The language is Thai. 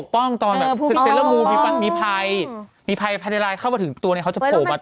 ต้องมีคีย์เวิร์ดให้เรา